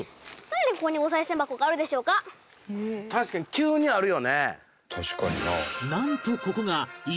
確かに急にあるよね。